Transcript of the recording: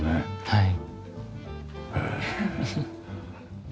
はい。